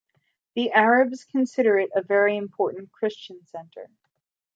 The Arabs considered it a very important Christian center.